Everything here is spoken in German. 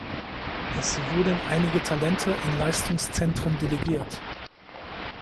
Es wurden einige Talente in Leistungszentren delegiert.